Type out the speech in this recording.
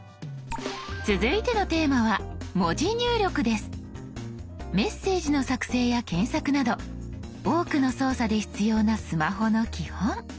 続いてのテーマはメッセージの作成や検索など多くの操作で必要なスマホの基本。